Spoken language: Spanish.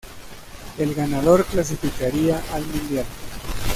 El ganador clasificaría al Mundial.